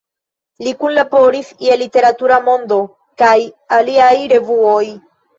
Li Kunlaboris je "Literatura Mondo" kaj aliaj revuoj.